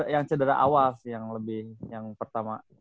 yang sederah awal sih yang pertama